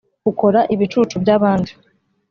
ukora ibicucu byabandi